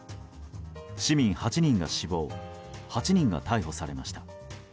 市民８人が死亡８人が逮捕されました。